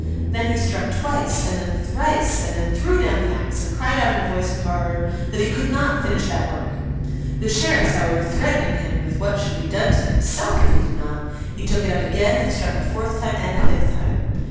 Then he struck twice, and then thrice, and then threw down the axe, and cried out in a voice of horror that he could not finish that work. The sheriffs, however, threatening him with what should be done to himself if he did not, he took it up again and struck a fourth time and a fifth time.